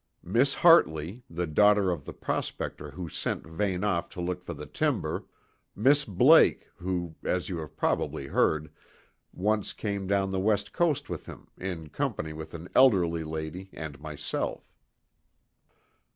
"Miss Hartley, the daughter of the prospector who sent Vane off to look for the timber; Miss Blake who, as you have probably heard, once came down the west coast with him, in company with an elderly lady and myself."